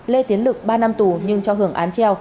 lê tiến lực ba năm tù nhưng cho hưởng án treo